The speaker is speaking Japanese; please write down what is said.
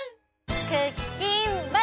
クッキンバトル！